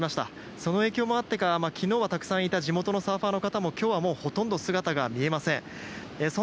その影響もあってか昨日はたくさんいた地元のサーファーの方も今日はもうほとんど姿が見えません。